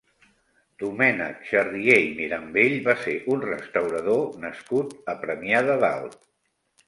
Domènec Xarrié i Mirambell va ser un restaurador nascut a Premià de Dalt.